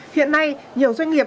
hiện nay nhiều doanh nghiệp